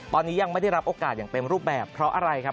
ตอนนี้ยังไม่ได้รับโอกาสอย่างเต็มรูปแบบเพราะอะไรครับ